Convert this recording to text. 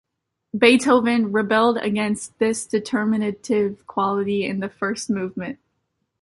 Beethoven rebelled against this determinative quality in the first movement.